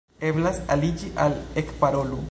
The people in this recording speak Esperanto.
Eblas aliĝi al Ekparolu!